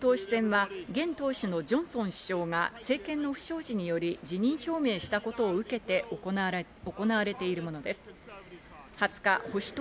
イギリス保守党の党首選は現党首のジョンソン首相が政権の不祥事により、辞任表明したことを受けて行われているものです。